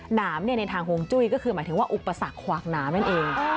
หนามในทางห่วงจุ้ยก็คือหมายถึงว่าอุปสรรคขวากหนามนั่นเอง